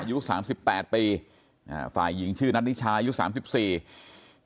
ปี๑๘ปีฝ่ายหญิงชื่อนัตติชายุทธ๓๔